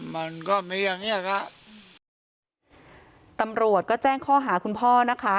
มันก็มีอย่างเงี้ยค่ะตำรวจก็แจ้งข้อหาคุณพ่อนะคะ